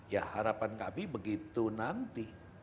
ya harapan kami begitu nanti